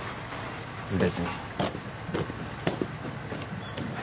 別に。